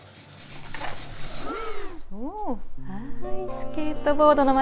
スケートボードの街